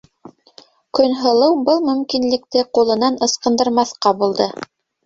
Көнһылыу был мөмкинлекте ҡулынан ыскындырмаҫҡа булды...